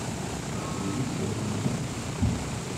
Nekkni d Izzayriyen.